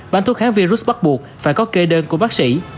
bán thuốc kháng virus bắt buộc phải có kê đơn của bác sĩ